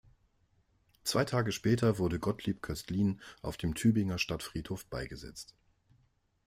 Zwei Tage später wurde Gottlieb Köstlin auf dem Tübinger Stadtfriedhof beigesetzt.